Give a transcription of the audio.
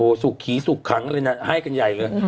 โอ้สุขีสุขคังเลยน่ะให้กันใหญ่เลยอืม